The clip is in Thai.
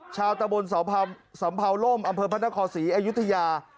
ชาวตะบลสำพาวโล่มอำเภอพระนครศรีอยุธยา